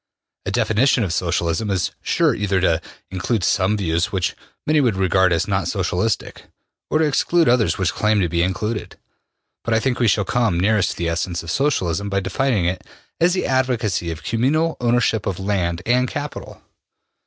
A definition of Socialism is sure either to include some views which many would regard as not Socialistic, or to exclude others which claim to be included. But I think we shall come nearest to the essence of Socialism by defining it as the advocacy of communal ownership of land and capital.